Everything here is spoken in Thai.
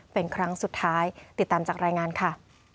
เป็นครั้งสุดท้ายติดตามจากรายงานค่ะ